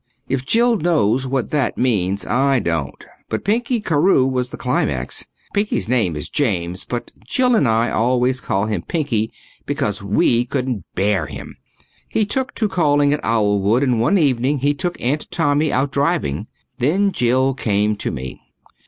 If Jill knows what that means I don't. But Pinky Carewe was the climax. Pinky's name is James, but Jill and I always called him Pinky because we couldn't bear him. He took to calling at Owlwood and one evening he took Aunt Tommy out driving. Then Jill came to me.